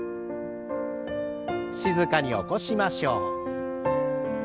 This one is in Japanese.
静かに起こしましょう。